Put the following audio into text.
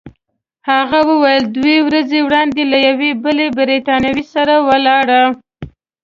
هغه وویل: دوه ورځې وړاندي له یوې بلې بریتانوۍ سره ولاړه.